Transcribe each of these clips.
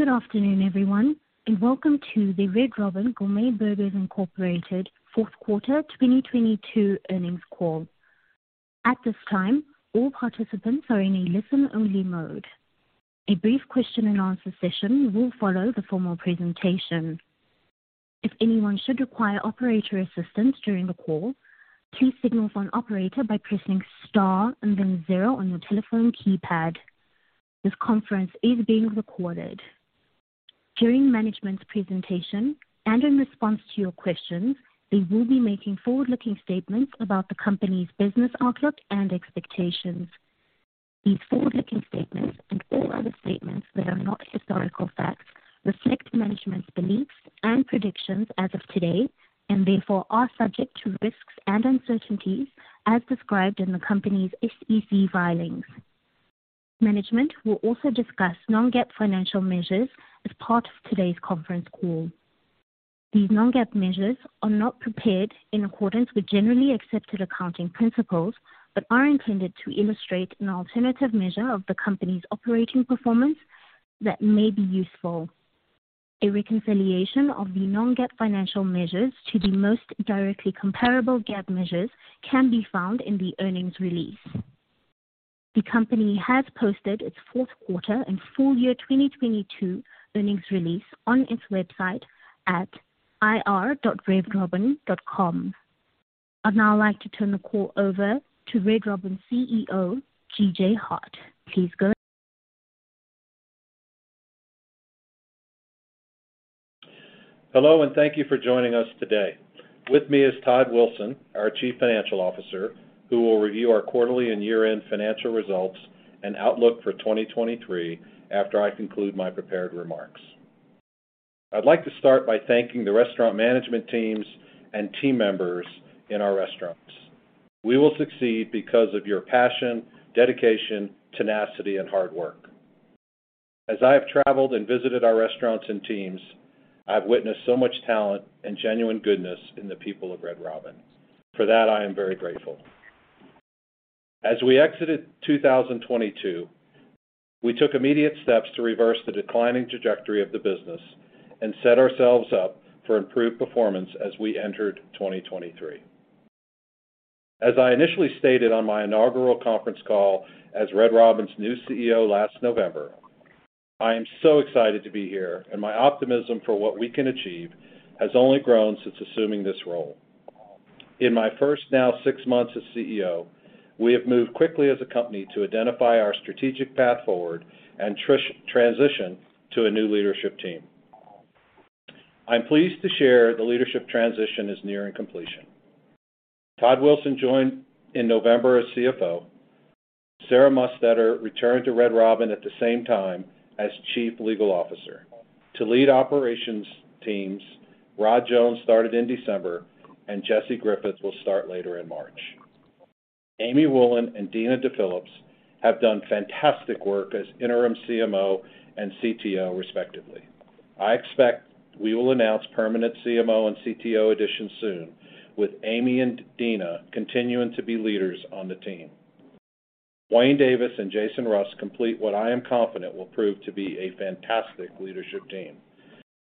Good afternoon, everyone, and welcome to the Red Robin Gourmet Burgers, Inc Fourth Quarter 2022 Earnings Call. At this time, all participants are in a listen-only mode. A brief question-and-answer session will follow the formal presentation. If anyone should require operator assistance during the call, please signal for an operator by pressing star and then zero on your telephone keypad. This conference is being recorded. During management's presentation and in response to your questions, they will be making forward-looking statements about the company's business outlook and expectations. These forward-looking statements, and all other statements that are not historical facts, reflect management's beliefs and predictions as of today, and therefore are subject to risks and uncertainties as described in the company's SEC filings. Management will also discuss non-GAAP financial measures as part of today's conference call. These non-GAAP measures are not prepared in accordance with generally accepted accounting principles, but are intended to illustrate an alternative measure of the company's operating performance that may be useful. A reconciliation of the non-GAAP financial measures to the most directly comparable GAAP measures can be found in the earnings release. The company has posted its Fourth Quarter and Full Year 2022 Earnings Release on its website at ir.redrobin.com. I'd now like to turn the call over to Red Robin CEO, GJ Hart. Please go ahead. Hello, and thank you for joining us today. With me is Todd Wilson, our Chief Financial Officer, who will review our quarterly and year-end financial results and outlook for 2023 after I conclude my prepared remarks. I'd like to start by thanking the restaurant management teams and team members in our restaurants. We will succeed because of your passion, dedication, tenacity, and hard work. As I have traveled and visited our restaurants and teams, I've witnessed so much talent and genuine goodness in the people of Red Robin. For that, I am very grateful. As we exited 2022, we took immediate steps to reverse the declining trajectory of the business and set ourselves up for improved performance as we entered 2023. As I initially stated on my Inaugural Conference Call as Red Robin's new CEO last November, I am so excited to be here, and my optimism for what we can achieve has only grown since assuming this role. In my first now six months as CEO, we have moved quickly as a company to identify our strategic path forward and transition to a new leadership team. I'm pleased to share the leadership transition is nearing completion. Todd Wilson joined in November as CFO. Sarah Mussetter returned to Red Robin at the same time as Chief Legal Officer. To lead Operations teams, Rod Jones started in December, and Jesse Griffith will start later in March. Amy Woolen and Deena DePhillips have done fantastic work as interim CMO and CTO, respectively. I expect we will announce permanent CMO and CTO additions soon, with Amy and Deena continuing to be leaders on the team. Wayne Davis and Jason Russ complete what I am confident will prove to be a fantastic leadership team.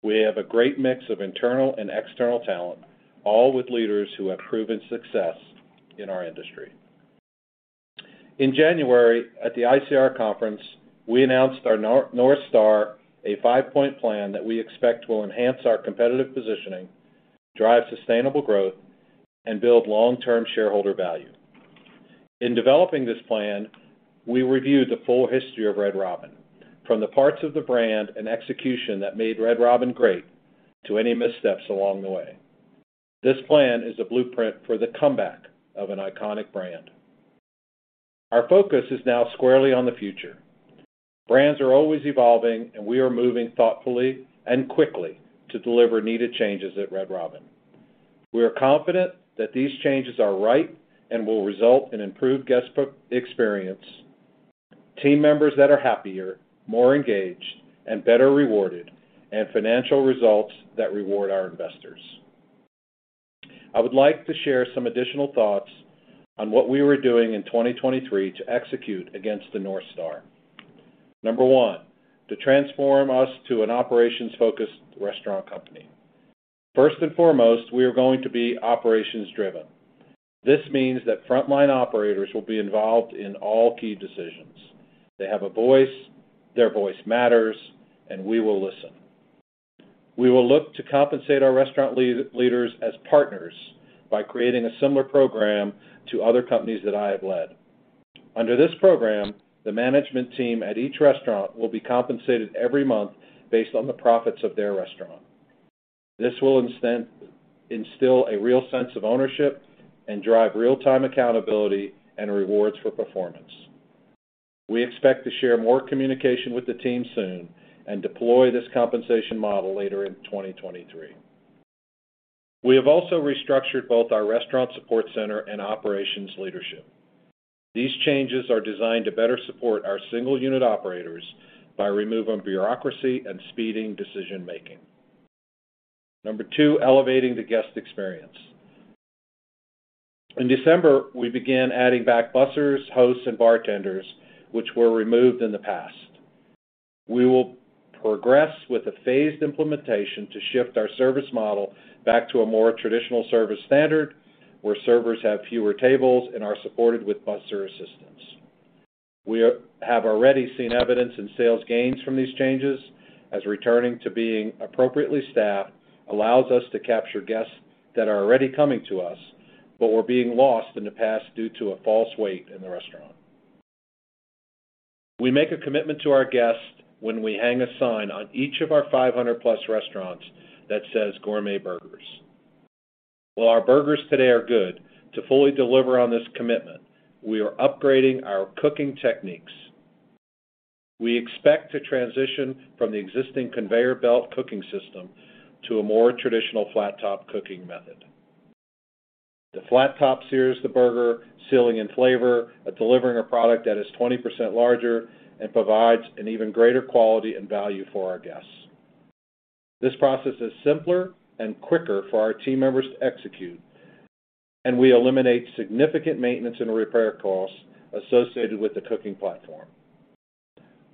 We have a great mix of internal and external talent, all with leaders who have proven success in our industry. In January at the ICR Conference, we announced our North Star, a 5-point plan that we expect will enhance our competitive positioning, drive sustainable growth, and build long-term shareholder value. In developing this plan, we reviewed the full history of Red Robin. From the parts of the brand and execution that made Red Robin great to any missteps along the way. This plan is a blueprint for the comeback of an iconic brand. Our focus is now squarely on the future. Brands are always evolving. We are moving thoughtfully and quickly to deliver needed changes at Red Robin. We are confident that these changes are right and will result in improved guest book experience, team members that are happier, more engaged, and better rewarded, and financial results that reward our investors. I would like to share some additional thoughts on what we were doing in 2023 to execute against the North Star. Number one, to transform us to an operations-focused restaurant company. First and foremost, we are going to be operations-driven. This means that frontline operators will be involved in all key decisions. They have a voice, their voice matters, and we will listen. We will look to compensate our restaurant lead-leaders as partners by creating a similar program to other companies that I have led. Under this program, the management team at each restaurant will be compensated every month based on the profits of their restaurant. This will instill a real sense of ownership and drive real-time accountability and rewards for performance. We expect to share more communication with the team soon and deploy this compensation model later in 2023. We have also restructured both our restaurant support center and operations leadership. These changes are designed to better support our single-unit operators by removing bureaucracy and speeding decision-making. Number two, elevating the guest experience. In December, we began adding back bussers, hosts and bartenders, which were removed in the past. We will progress with a phased implementation to shift our service model back to a more traditional service standard, where servers have fewer tables and are supported with busser assistance. We have already seen evidence in sales gains from these changes as returning to being appropriately staffed allows us to capture guests that are already coming to us, but were being lost in the past due to a false wait in the restaurant. We make a commitment to our guests when we hang a sign on each of our 500+ restaurants that says gourmet burgers. While our burgers today are good, to fully deliver on this commitment, we are upgrading our cooking techniques. We expect to transition from the existing conveyor belt cooking system to a more traditional flat-top cooking method. The flat top sears the burger, sealing in flavor, delivering a product that is 20% larger and provides an even greater quality and value for our guests. This process is simpler and quicker for our team members to execute, and we eliminate significant maintenance and repair costs associated with the cooking platform.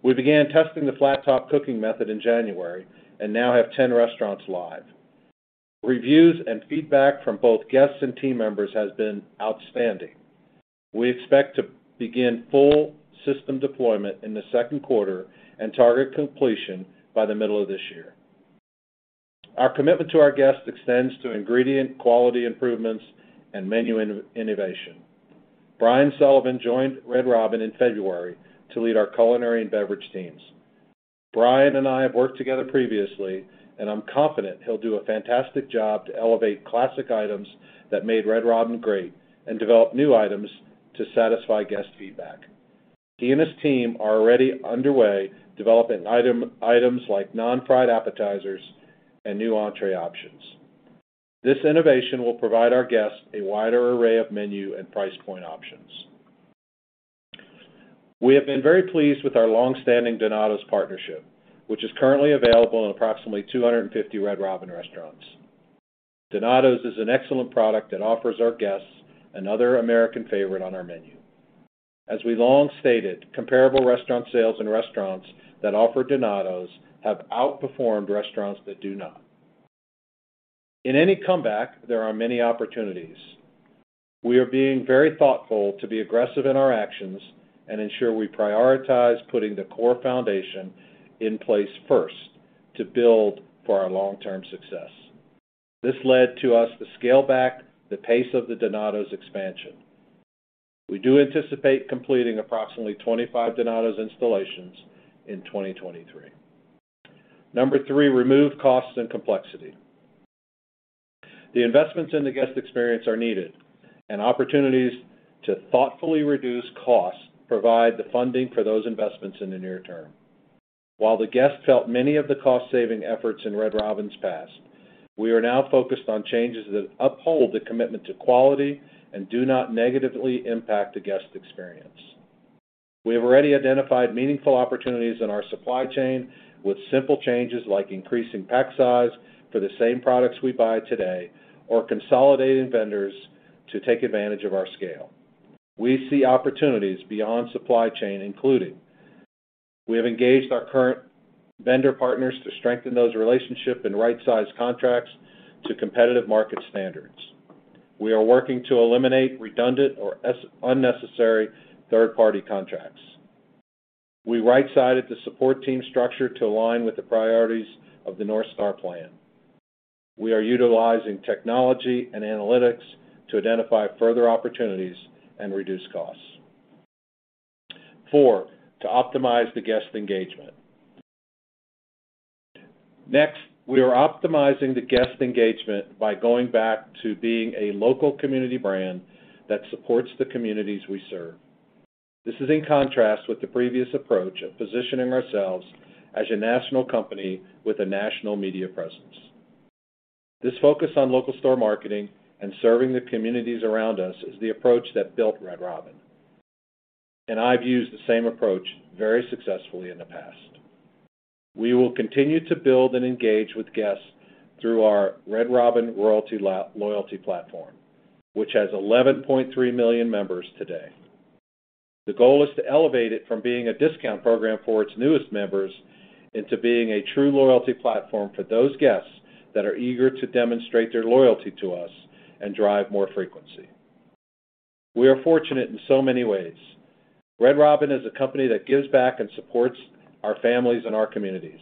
We began testing the flat top cooking method in January and now have 10 restaurants live. Reviews and feedback from both guests and team members has been outstanding. We expect to begin full system deployment in the second quarter and target completion by the middle of this year. Our commitment to our guests extends to ingredient quality improvements and menu in-innovation. Brian Sullivan joined Red Robin in February to lead our culinary and beverage teams. Brian and I have worked together previously, and I'm confident he'll do a fantastic job to elevate classic items that made Red Robin great and develop new items to satisfy guest feedback. He and his team are already underway developing items like non-fried appetizers and new entree options. This innovation will provide our guests a wider array of menu and price point options. We have been very pleased with our long-standing Donatos partnership, which is currently available in approximately 250 Red Robin restaurants. Donatos is an excellent product that offers our guests another American favorite on our menu. As we long stated, comparable restaurant sales in restaurants that offer Donatos have outperformed restaurants that do not. In any comeback, there are many opportunities. We are being very thoughtful to be aggressive in our actions and ensure we prioritize putting the core foundation in place first to build for our long-term success. This led to us to scale back the pace of the Donatos expansion. We do anticipate completing approximately 25 Donatos installations in 2023. Number three, remove costs and complexity. The investments in the guest experience are needed. Opportunities to thoughtfully reduce costs provide the funding for those investments in the near term. While the guests felt many of the cost-saving efforts in Red Robin's past, we are now focused on changes that uphold the commitment to quality and do not negatively impact the guest experience. We have already identified meaningful opportunities in our supply chain with simple changes like increasing pack size for the same products we buy today or consolidating vendors to take advantage of our scale. We see opportunities beyond supply chain, including we have engaged our current vendor partners to strengthen those relationships and right-size contracts to competitive market standards. We are working to eliminate redundant or unnecessary third-party contracts. We right-sized the support team structure to align with the priorities of the North Star plan. We are utilizing technology and analytics to identify further opportunities and reduce costs. Four, to optimize the guest engagement. We are optimizing the guest engagement by going back to being a local community brand that supports the communities we serve. This is in contrast with the previous approach of positioning ourselves as a national company with a national media presence. This focus on local store marketing and serving the communities around us is the approach that built Red Robin. I've used the same approach very successfully in the past. We will continue to build and engage with guests through our Red Robin Royalty Loyalty platform, which has 11.3 million members today. The goal is to elevate it from being a discount program for its newest members into being a true loyalty platform for those guests that are eager to demonstrate their loyalty to us and drive more frequency. We are fortunate in so many ways. Red Robin is a company that gives back and supports our families and our communities.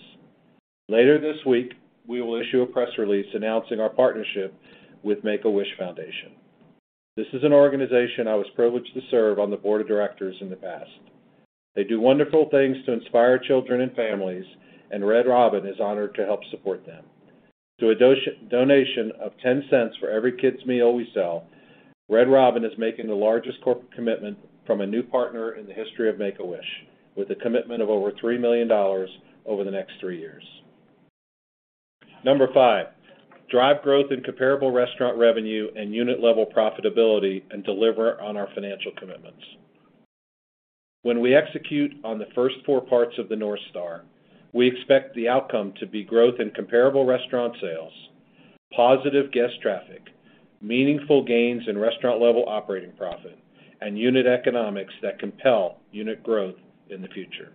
Later this week, we will issue a press release announcing our partnership with Make-A-Wish Foundation. This is an organization I was privileged to serve on the Board of Directors in the past. They do wonderful things to inspire children and families, and Red Robin is honored to help support them. Through a donation of $0.10 for every kid's meal we sell, Red Robin is making the largest corporate commitment from a new partner in the history of Make-A-Wish, with a commitment of over $3 million over the next three years. Number five, drive growth in comparable restaurant revenue and unit-level profitability and deliver on our financial commitments. When we execute on the first four parts of the North Star, we expect the outcome to be growth in comparable restaurant sales, positive guest traffic, meaningful gains in restaurant-level operating profit, and unit economics that compel unit growth in the future.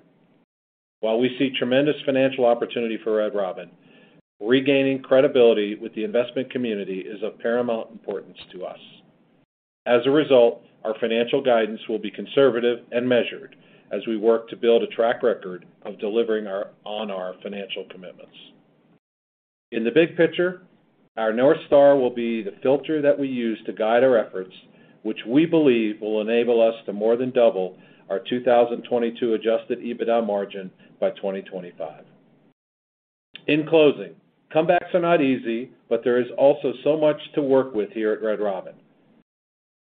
While we see tremendous financial opportunity for Red Robin, regaining credibility with the investment community is of paramount importance to us. Our financial guidance will be conservative and measured as we work to build a track record of delivering on our financial commitments. In the big picture, our North Star will be the filter that we use to guide our efforts, which we believe will enable us to more than double our 2022 adjusted EBITDA margin by 2025. In closing, comebacks are not easy, but there is also so much to work with here at Red Robin.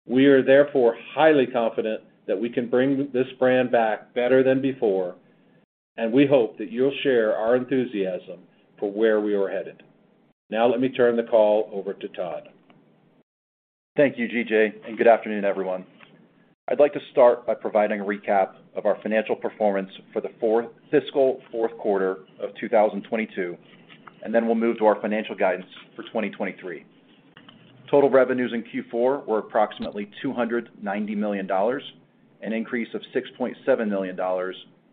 We are therefore highly confident that we can bring this brand back better than before, and we hope that you'll share our enthusiasm for where we are headed. Now let me turn the call over to Todd. Thank you, GJ. Good afternoon, everyone. I'd like to start by providing a recap of our financial performance for the fiscal fourth quarter of 2022, and then we'll move to our financial guidance for 2023. Total revenues in Q4 were approximately $290 million, an increase of $6.7 million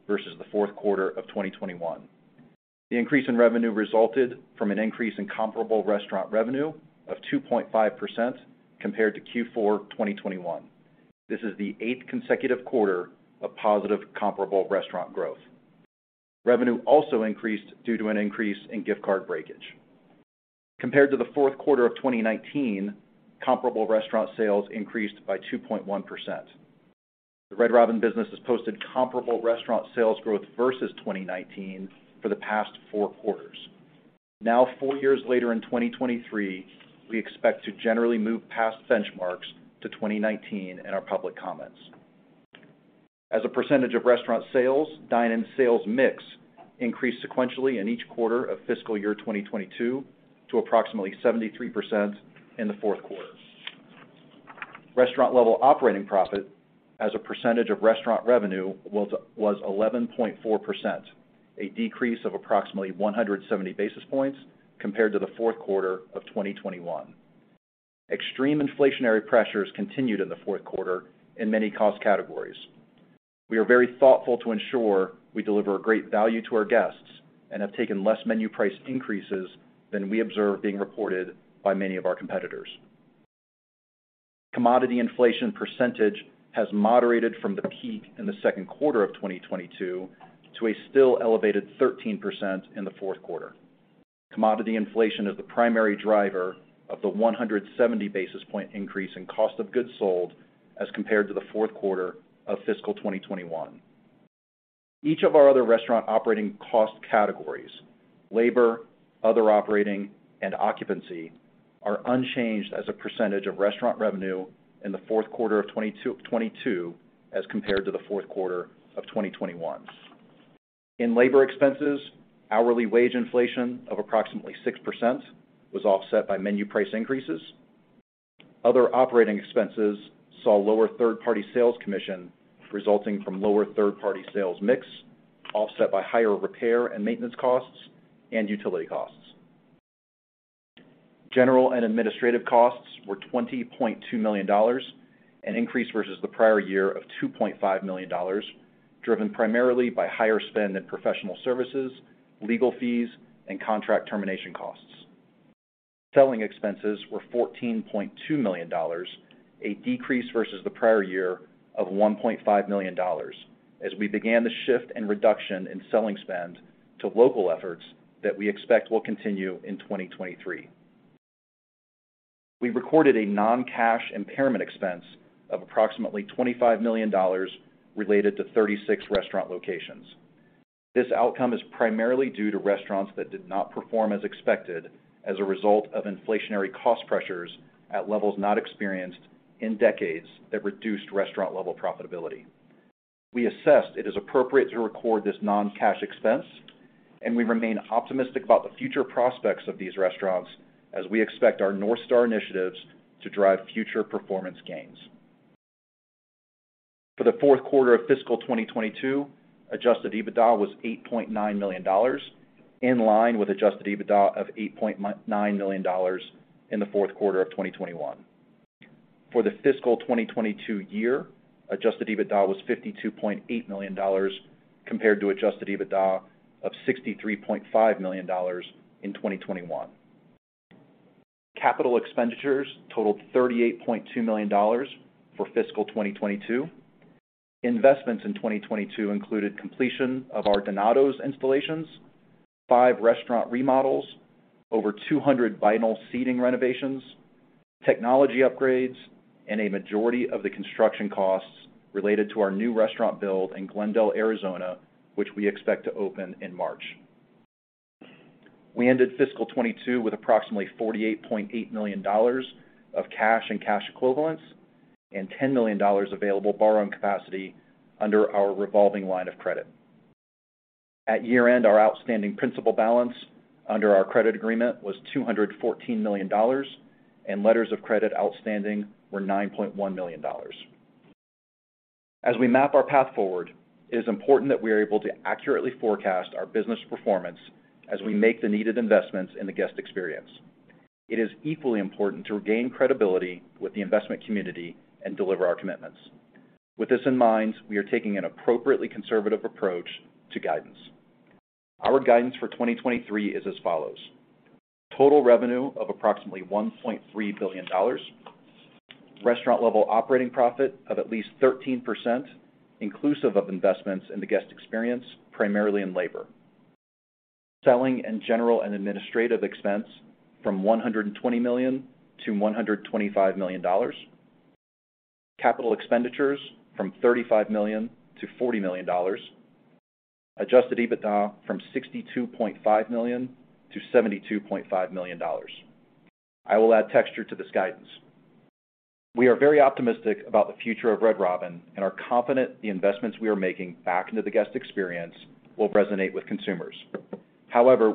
versus the fourth quarter of 2021. The increase in revenue resulted from an increase in comparable restaurant revenue of 2.5% compared to Q4 2021. This is the eighth consecutive quarter of positive comparable restaurant growth. Revenue also increased due to an increase in gift card breakage. Compared to the fourth quarter of 2019, comparable restaurant sales increased by 2.1%. The Red Robin business has posted comparable restaurant sales growth versus 2019 for the past four quarters. Four years later in 2023, we expect to generally move past benchmarks to 2019 in our public comments. As a percentage of restaurant sales, dine-in sales mix increased sequentially in each quarter of fiscal year 2022 to approximately 73% in the fourth quarter. Restaurant Level Operating Profit as a percentage of restaurant revenue was 11.4%, a decrease of approximately 170 basis points compared to the fourth quarter of 2021. Extreme inflationary pressures continued in the fourth quarter in many cost categories. We are very thoughtful to ensure we deliver a great value to our guests and have taken less menu price increases than we observe being reported by many of our competitors. Commodity inflation percentage has moderated from the peak in the second quarter of 2022 to a still elevated 13% in the fourth quarter. Commodity inflation is the primary driver of the 170 basis point increase in cost of goods sold as compared to the fourth quarter of fiscal 2021. Each of our other restaurant operating cost categories, labor, other operating, and occupancy are unchanged as a percentage of restaurant revenue in the fourth quarter of 2022 as compared to the fourth quarter of 2021. In labor expenses, hourly wage inflation of approximately 6% was offset by menu price increases. Other operating expenses saw lower third-party sales commission resulting from lower third-party sales mix offset by higher repair and maintenance costs and utility costs. General and administrative costs were $20.2 million, an increase versus the prior year of $2.5 million, driven primarily by higher spend in professional services, legal fees, and contract termination costs. Selling expenses were $14.2 million, a decrease versus the prior year of $1.5 million as we began the shift and reduction in selling spend to local efforts that we expect will continue in 2023. We recorded a non-cash impairment expense of approximately $25 million related to 36 restaurant locations. This outcome is primarily due to restaurants that did not perform as expected as a result of inflationary cost pressures at levels not experienced in decades that reduced restaurant-level profitability. We assessed it is appropriate to record this non-cash expense. We remain optimistic about the future prospects of these restaurants as we expect our North Star initiatives to drive future performance gains. For the fourth quarter of fiscal 2022, adjusted EBITDA was $8.9 million, in line with adjusted EBITDA of $8.9 million in the fourth quarter of 2021. For the fiscal 2022 year, adjusted EBITDA was $52.8 million compared to adjusted EBITDA of $63.5 million in 2021. Capital expenditures totaled $38.2 million for fiscal 2022. Investments in 2022 included completion of our Donatos installations, five restaurant remodels, over 200 vinyl seating renovations, technology upgrades, and a majority of the construction costs related to our new restaurant build in Glendale, Arizona, which we expect to open in March. We ended fiscal 2022 with approximately $48.8 million of cash and cash equivalents and $10 million available borrowing capacity under our revolving line of credit. At year-end, our outstanding principal balance under our credit agreement was $214 million, and letters of credit outstanding were $9.1 million. As we map our path forward, it is important that we are able to accurately forecast our business performance as we make the needed investments in the guest experience. It is equally important to regain credibility with the investment community and deliver our commitments. With this in mind, we are taking an appropriately conservative approach to guidance. Our guidance for 2023 is as follows: Total revenue of approximately $1.3 billion. Restaurant Level Operating Profit of at least 13% inclusive of investments in the guest experience, primarily in labor. Selling and general and administrative expense from $120 million to $125 million. Capital expenditures from $35 million to $40 million. Adjusted EBITDA from $62.5 million to $72.5 million. I will add texture to this guidance. We are very optimistic about the future of Red Robin and are confident the investments we are making back into the guest experience will resonate with consumers.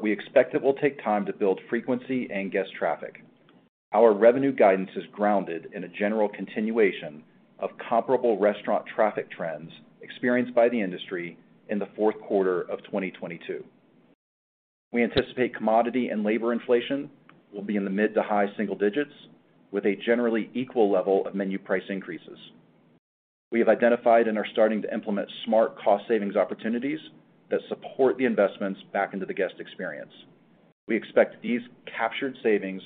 We expect it will take time to build frequency and guest traffic. Our revenue guidance is grounded in a general continuation of comparable restaurant traffic trends experienced by the industry in the fourth quarter of 2022. We anticipate commodity and labor inflation will be in the mid to high single digits, with a generally equal level of menu price increases. We have identified and are starting to implement smart cost savings opportunities that support the investments back into the guest experience. We expect these captured savings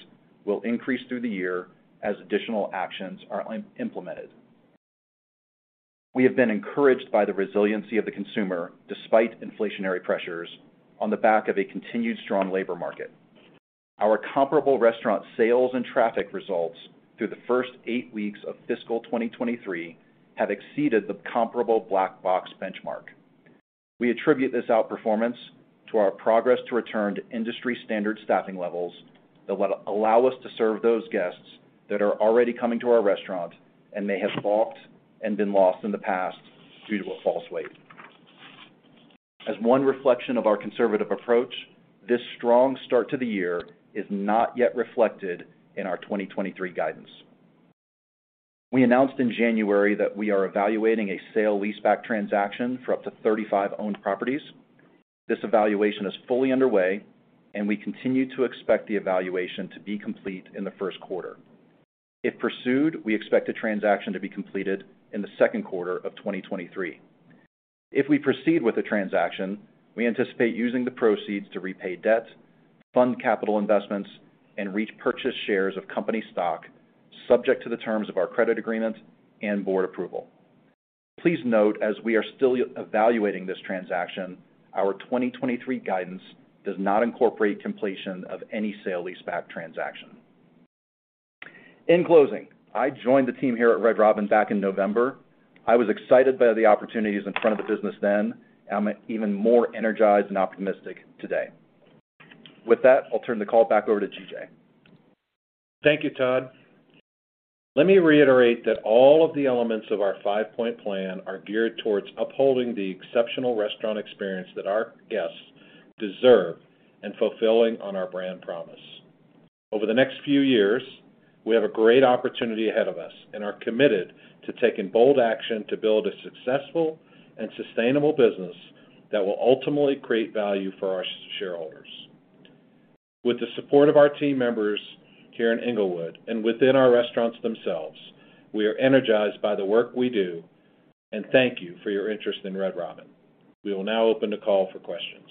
will increase through the year as additional actions are implemented. We have been encouraged by the resiliency of the consumer despite inflationary pressures on the back of a continued strong labor market. Our comparable restaurant sales and traffic results through the first 8 weeks of fiscal 2023 have exceeded the comparable Black Box benchmark. We attribute this outperformance to our progress to return to industry-standard staffing levels that will allow us to serve those guests that are already coming to our restaurant and may have balked and been lost in the past due to a false wait. As one reflection of our conservative approach, this strong start to the year is not yet reflected in our 2023 guidance. We announced in January that we are evaluating a sale-leaseback transaction for up to 35 owned properties. This evaluation is fully underway and we continue to expect the evaluation to be complete in the first quarter. If pursued, we expect the transaction to be completed in the second quarter of 2023. If we proceed with the transaction, we anticipate using the proceeds to repay debt, fund capital investments, and repurchase shares of company stock subject to the terms of our credit agreement and Board approval. Please note, as we are still evaluating this transaction, our 2023 guidance does not incorporate completion of any sale-leaseback transaction. In closing, I joined the team here at Red Robin back in November. I was excited by the opportunities in front of the business then, and I'm even more energized and optimistic today. With that, I'll turn the call back over to GJ. Thank you, Todd. Let me reiterate that all of the elements of our five-point plan are geared towards upholding the exceptional restaurant experience that our guests deserve and fulfilling on our brand promise. Over the next few years, we have a great opportunity ahead of us and are committed to taking bold action to build a successful and sustainable business that will ultimately create value for our shareholders. With the support of our team members here in Englewood and within our restaurants themselves, we are energized by the work we do and thank you for your interest in Red Robin. We will now open the call for questions.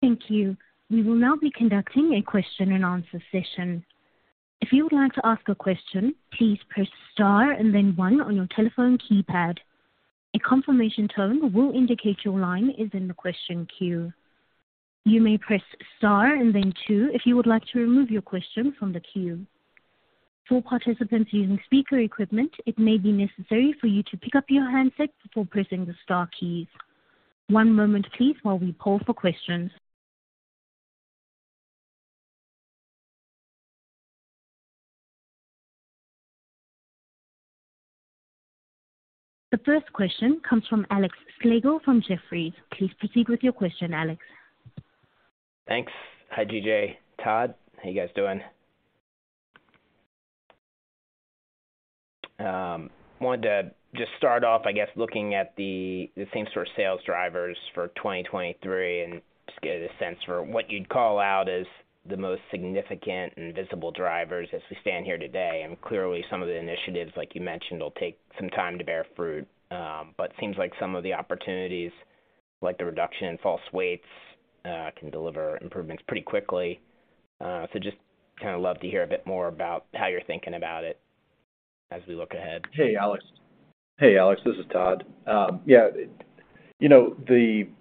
Thank you. We will now be conducting a question-and-answer session. If you would like to ask a question, please press star and then one on your telephone keypad. A confirmation tone will indicate your line is in the question queue. You may press star and then two if you would like to remove your question from the queue. For participants using speaker equipment, it may be necessary for you to pick up your handset before pressing the star keys. One moment please, while we call for questions. The first question comes from Alexander Slagle from Jefferies. Please proceed with your question, Alex. Thanks. Hi, GJ. Todd. How you guys doing? wanted to just start off looking at the same store sales drivers for 2023 and just get a sense for what you'd call out as the most significant and visible drivers as we stand here today. Clearly, some of the initiatives you mentioned will take some time to bear fruit. Seems like some of the opportunities, like the reduction in false waits, can deliver improvements pretty quickly. Just love to hear a bit more about how you're thinking about it as we look ahead. Hey, Alex, this is Todd. I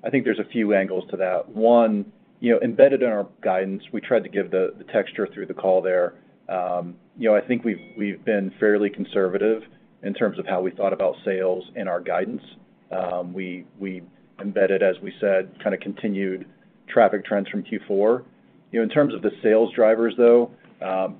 think there's a few angles to that. One embedded in our guidance, we tried to give the texture through the call there. You know, I think we've been fairly conservative in terms of how we thought about sales in our guidance. We embedded, as we said continued traffic trends from Q4. You know, in terms of the sales drivers, though,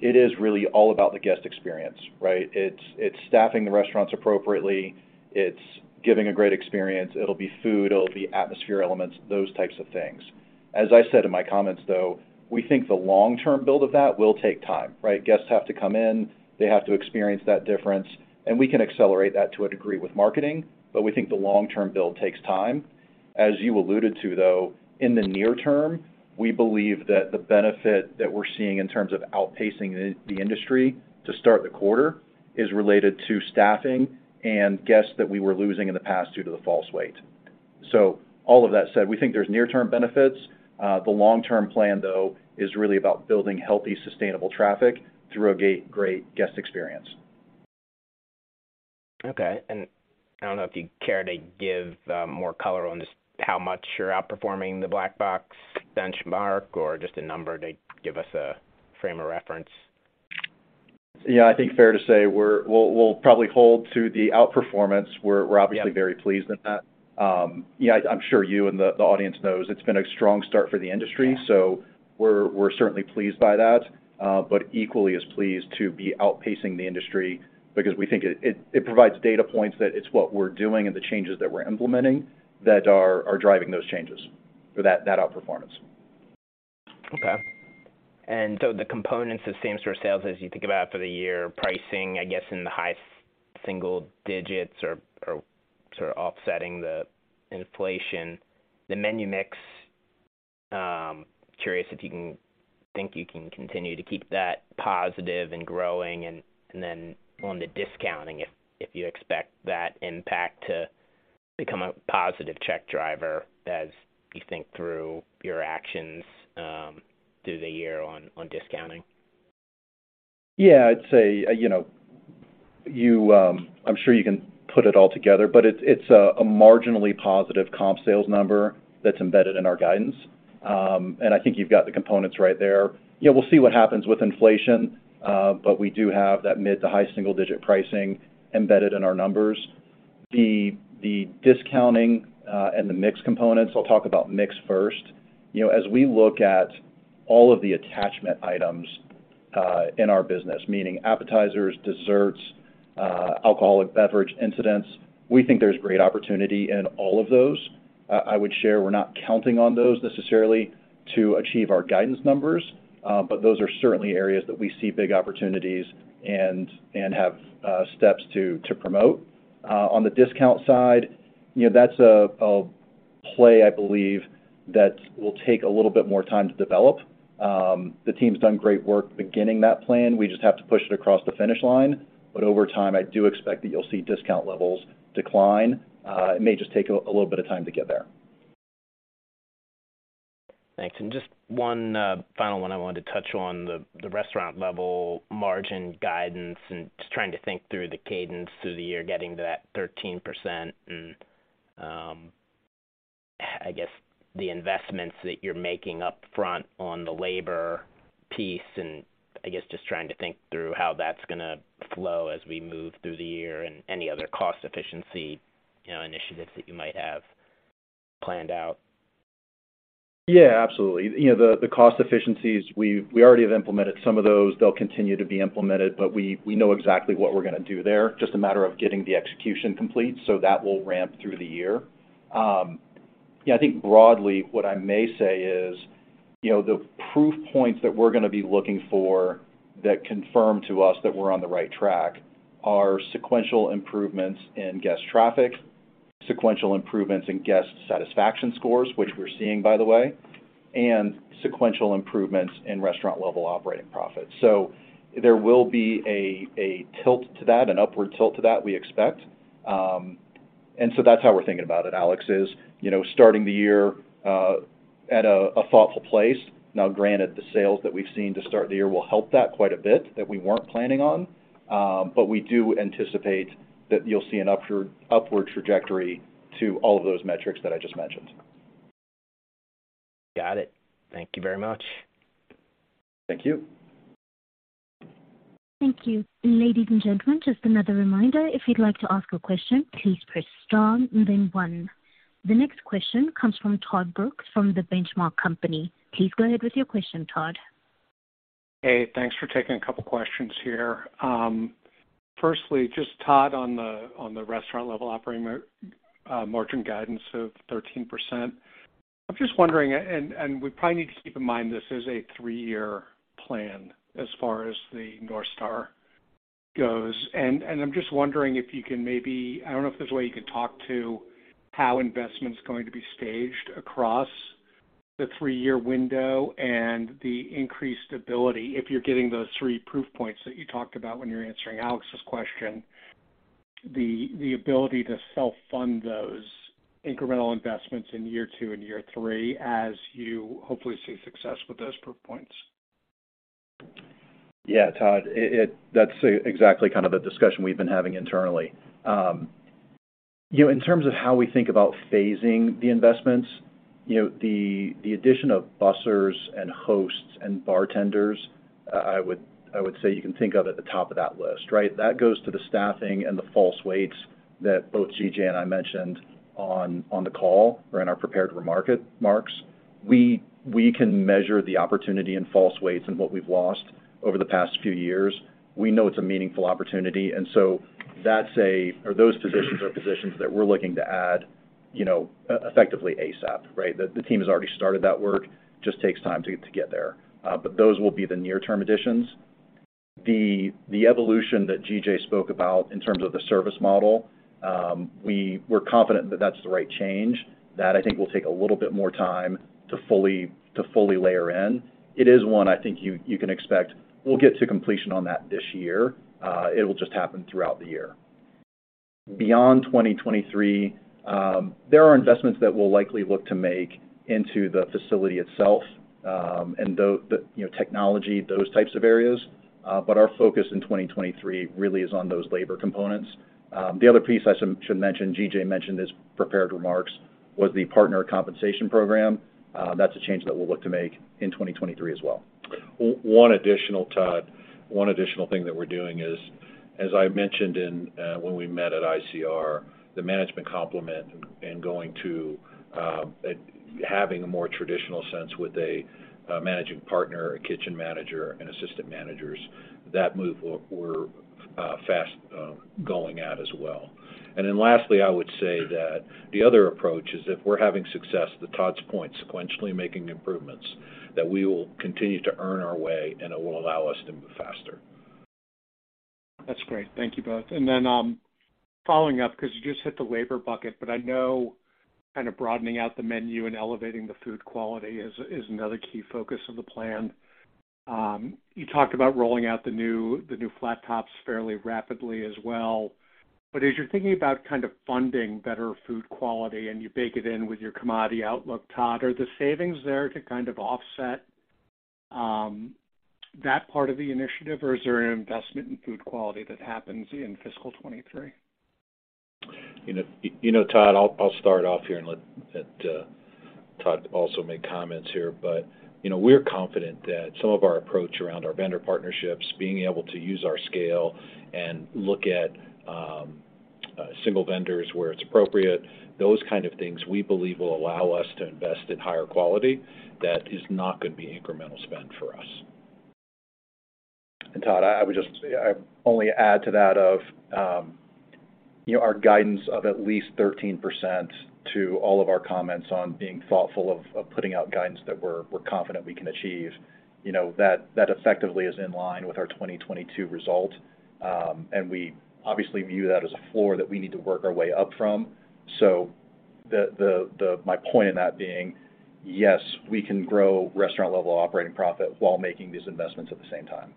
it is really all about the guest experience, right? It's staffing the restaurants appropriately. It's giving a great experience. It'll be food. It'll be atmosphere elements, those types of things. As I said in my comments, though, we think the long-term build of that will take time, right? Guests have to come in, they have to experience that difference. We can accelerate that to a degree with marketing. We think the long-term build takes time. As you alluded to, though, in the near term, we believe that the benefit that we're seeing in terms of outpacing the industry to start the quarter is related to staffing and guests that we were losing in the past due to the false wait. All of that said, we think there's near-term benefits. The long-term plan, though, is really about building healthy, sustainable traffic through a great guest experience. Okay. I don't know if you'd care to give more color on just how much you're outperforming the Black Box benchmark or just a number to give us a frame of reference. I think fair to say We'll probably hold to the outperformance. We're obviously very pleased in that. I'm sure you and the audience knows it's been a strong start for the industry. We're certainly pleased by that, but equally as pleased to be outpacing the industry because we think it provides data points that it's what we're doing and the changes that we're implementing that are driving those changes or that outperformance. Okay. The components of same-store sales as you think about for the year, pricing, I guess, in the high single digits or sort of offsetting the inflation. The menu mix, curious if you can think you can continue to keep that positive and growing? Then on the discounting, if you expect that impact to become a positive check driver as you think through your actions, through the year on discounting? I'd say, I'm sure you can put it all together, but it's a marginally positive comp sales number that's embedded in our guidance. I think you've got the components right there. Yeah, we'll see what happens with inflation, but we do have that mid to high single-digit pricing embedded in our numbers. The discounting, and the mix components, I'll talk about mix first. You know, as we look at all of the attachment items, in our business, meaning appetizers, desserts, alcoholic beverage incidents, we think there's great opportunity in all of those. I would share we're not counting on those necessarily to achieve our guidance numbers, but those are certainly areas that we see big opportunities and have steps to promote. On the discount side, that's a play I believe that will take a little bit more time to develop. The team's done great work beginning that plan. We just have to push it across the finish line. Over time, I do expect that you'll see discount levels decline. It may just take a little bit of time to get there. Thanks. Just one, final one I wanted to touch on, the restaurant level margin guidance and just trying to think through the cadence through the year, getting to that 13% and, I guess the investments that you're making upfront on the labor piece, and I guess just trying to think through how that's gonna flow as we move through the year and any other cost efficiency, you know, initiatives that you might have planned out. Absolutely. The cost efficiencies, we already have implemented some of those. They'll continue to be implemented, but we know exactly what we're gonna do there. Just a matter of getting the execution complete. That will ramp through the year. Broadly what I may say is, you know, the proof points that we're gonna be looking for that confirm to us that we're on the right track are sequential improvements in guest traffic, sequential improvements in guest satisfaction scores, which we're seeing, by the way, and sequential improvements in Restaurant Level Operating Profit. There will be a tilt to that, an upward tilt to that, we expect. That's how we're thinking about it, Alex, is, you know, starting the year at a thoughtful place. Granted, the sales that we've seen to start the year will help that quite a bit that we weren't planning on, but we do anticipate that you'll see an upward trajectory to all of those metrics that I just mentioned. Got it. Thank you very much. Thank you. Thank you. Ladies and gentlemen, just another reminder, if you'd like to ask a question, please press star and then one. The next question comes from Todd Brooks from The Benchmark Company. Please go ahead with your question, Todd. Hey, thanks for taking a couple questions here. Firstly, just Todd, on the Restaurant Level Operating margin guidance of 13%. I'm just wondering and we probably need to keep in mind this is a three-year plan as far as the North Star goes. I'm just wondering if you can talk to how investment's going to be staged across the three-year window and the increased ability if you're getting those three proof points that you talked about when you were answering Alex's question, the ability to self-fund those incremental investments in year two and year three as you hopefully see success with those proof points? Todd. It exactly the discussion we've been having internally. You know, in terms of how we think about phasing the investments, you know, the addition of bussers and hosts and bartenders I would say you can think of at the top of that list, right? That goes to the staffing and the false waits that both GJ and I mentioned on the call or in our prepared remarks. We can measure the opportunity in false waits and what we've lost over the past few years. We know it's a meaningful opportunity, or those positions are positions that we're looking to add, you know, effectively ASAP, right? The team has already started that work, just takes time to get there. Those will be the near-term additions. The evolution that GJ spoke about in terms of the service model, we're confident that that's the right change. That will take a little bit more time to fully, to fully layer in. It is one I think you can expect we'll get to completion on that this year. It will just happen throughout the year. Beyond 2023, there are investments that we'll likely look to make into the facility itself, and the, you know, technology, those types of areas. Our focus in 2023 really is on those labor components. The other piece I should mention, GJ mentioned his prepared remarks, was the partner compensation program. That's a change that we'll look to make in 2023 as well. One additional, Todd, one additional thing that we're doing is, as I mentioned in when we met at ICR, the management complement and going to having a more traditional sense with a managing partner, a kitchen manager, and assistant managers, that move we're fast going at as well. Lastly, I would say that the other approach is if we're having success, to Todd's point, sequentially making improvements, that we will continue to earn our way and it will allow us to move faster. That's great. Thank you both. Then, following up, 'cause you just hit the labor bucket, but I know kind of broadening out the menu and elevating the food quality is another key focus of the plan. You talked about rolling out the new, the new flat tops fairly rapidly as well. As you're thinking about kind of funding better food quality and you bake it in with your commodity outlook, Todd, are the savings there to kind of offset that part of the initiative, or is there an investment in food quality that happens in fiscal 2023? You know, Todd, I'll start off here and let Todd also make comments here. We're confident that some of our approach around our vendor partnerships, being able to use our scale and look at single vendors where it's appropriate, those things we believe will allow us to invest in higher quality that is not gonna be incremental spend for us. Todd, I'd only add to that of our guidance of at least 13% to all of our comments on being thoughtful of putting out guidance that we're confident we can achieve. You know, that effectively is in line with our 2022 result. We obviously view that as a floor that we need to work our way up from my point in that being, yes, we can grow restaurant-level operating profit while making these investments at the same time.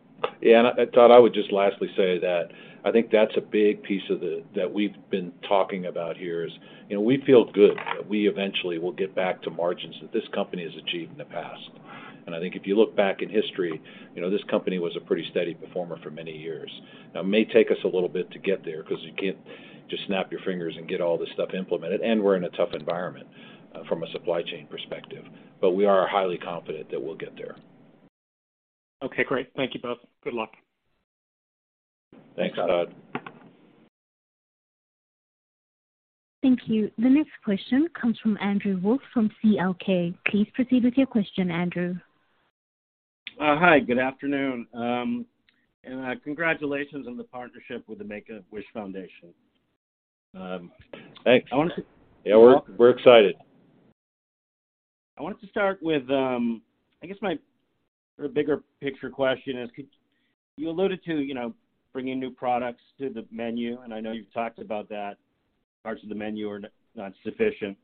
Todd, I would just lastly say that I think that's a big piece of that we've been talking about here is, you know, we feel good that we eventually will get back to margins that this company has achieved in the past. I think if you look back in history, you know, this company was a pretty steady performer for many years. It may take us a little bit to get there because you can't just snap your fingers and get all this stuff implemented, and we're in a tough environment from a supply chain perspective. We are highly confident that we'll get there. Okay, great. Thank you both. Good luck. Thanks, Todd. Thanks. Thank you. The next question comes from Andrew Wolf from C.L. King. Please proceed with your question, Andrew. Hi. Good afternoon. Congratulations on the partnership with the Make-A-Wish Foundation. Thanks. We're excited. I wanted to start with my bigger picture question is, you alluded to bringing new products to the menu, I know you've talked about that parts of the menu are not sufficient.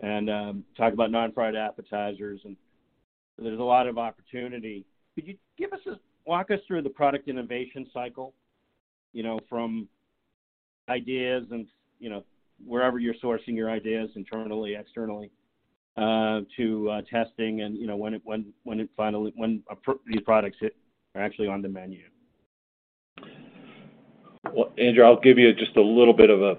Talked about non-fried appetizers, and there's a lot of opportunity. Could you walk us through the product innovation cycle from ideas and wherever you're sourcing your ideas internally, externally, to testing and when it finally these products hit are actually on the menu? Well, Andrew, I'll give you just a little bit of a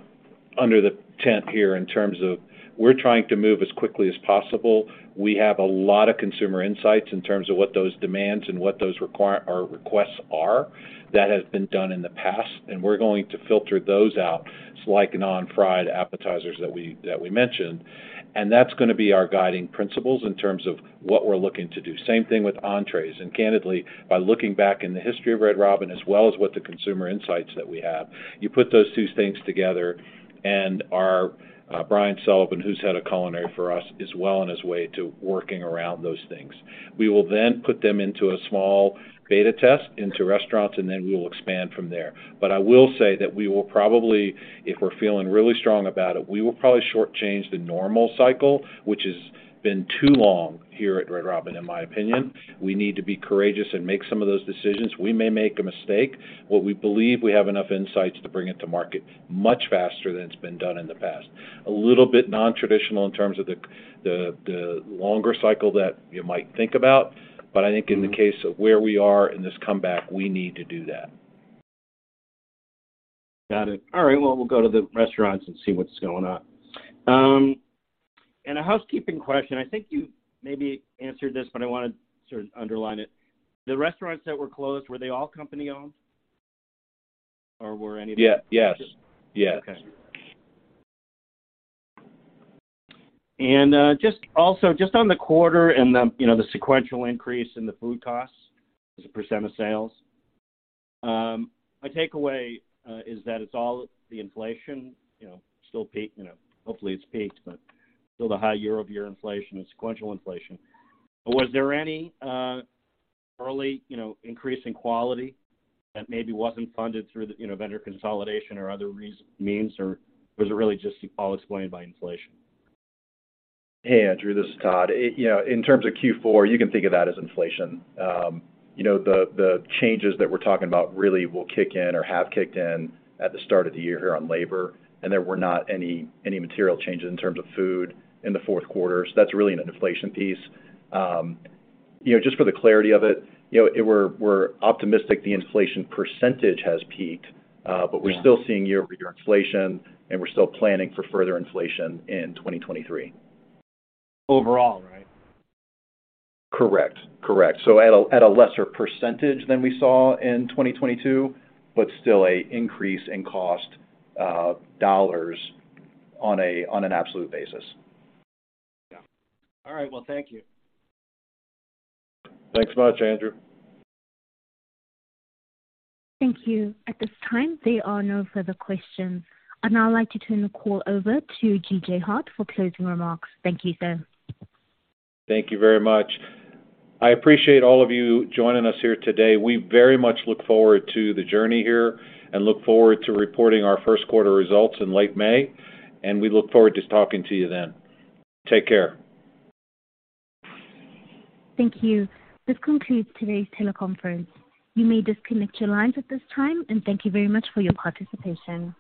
under the tent here in terms of we're trying to move as quickly as possible. We have a lot of consumer insights in terms of what those demands and what those requests are that have been done in the past, and we're going to filter those out, like non-fried appetizers that we mentioned. That's gonna be our guiding principles in terms of what we're looking to do. Same thing with entrees. Candidly, by looking back in the history of Red Robin, as well as with the consumer insights that we have, you put those two things together, and our Brian Sullivan, who's head of culinary for us, is well on his way to working around those things. We will then put them into a small beta test into restaurants, and then we will expand from there. I will say that we will probably, if we're feeling really strong about it, we will probably shortchange the normal cycle, which has been too long here at Red Robin, in my opinion. We need to be courageous and make some of those decisions. We may make a mistake, but we believe we have enough insights to bring it to market much faster than it's been done in the past. A little bit non-traditional in terms of the longer cycle that you might think about, but I think in the case of where we are in this comeback, we need to do that. Got it. All right, well, we'll go to the restaurants and see what's going on. A housekeeping question. I think you maybe answered this, but I wanna sort of underline it. The restaurants that were closed, were they all company-owned or were any of them. Yes. Okay. Just also, just on the quarter and the, you know, the sequential increase in the food costs as a percent of sales. My takeaway is that it's all the inflation still peak hopefully it's peaked, but still the high year-over-year inflation and sequential inflation. Was there any early, you know, increase in quality that maybe wasn't funded through the, you know, vendor consolidation or other means, or was it really just all explained by inflation? Hey, Andrew, this is Todd. You know, in terms of Q4, you can think of that as inflation. You know, the changes that we're talking about really will kick in or have kicked in at the start of the year here on labor. There were not any material changes in terms of food in the fourth quarter. That's really an inflation piece. Just for the clarity of it, we're optimistic the inflation percent has peaked. We're still seeing year-over-year inflation. We're still planning for further inflation in 2023. Overall, right? Correct. At a lesser percentage than we saw in 2022, but still a increase in cost dollars on an absolute basis. All right. Well, thank you. Thanks much, Andrew. Thank you. At this time, there are no further questions. I'd now like to turn the call over to GJ Hart for closing remarks. Thank you, sir. Thank you very much. I appreciate all of you joining us here today. We very much look forward to the journey here and look forward to reporting our first quarter results in late May, and we look forward to talking to you then. Take care. Thank you. This concludes today's teleconference. You may disconnect your lines at this time, and thank you very much for your participation.